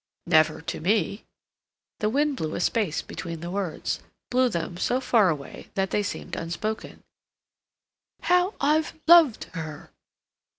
"Never—to me." The wind blew a space between the words—blew them so far away that they seemed unspoken. "How I've loved her!"